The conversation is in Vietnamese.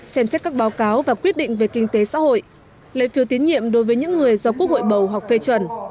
xem xét các báo cáo và quyết định về kinh tế xã hội lấy phiếu tín nhiệm đối với những người do quốc hội bầu hoặc phê chuẩn